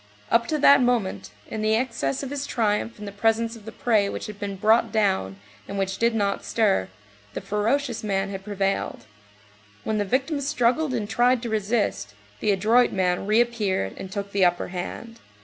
Up to that moment, in the excess of his triumph in the presence of the prey which had been brought down, and which did not stir, the ferocious man had prevailed; when the victim struggled and tried to resist, the adroit man reappeared and took the upper hand.